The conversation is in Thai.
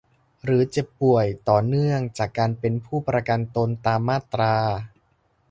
หรือเจ็บป่วยต่อเนื่องจากการเป็นผู้ประกันตนตามมาตรา